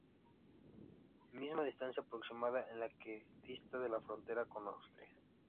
Misma distancia aproximada de la que dista de la frontera con Austria.